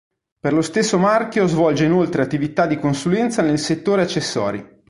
Per lo stesso marchio svolge inoltre attività di consulenza nel settore accessori.